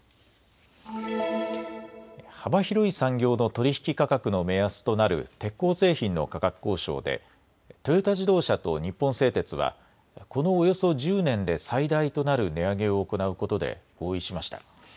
幅広い産業の取り引き価格の目安となる鉄鋼製品の価格交渉でトヨタ自動車と日本製鉄はこのおよそ１０年で最大となる値上げを行うことで合意しました。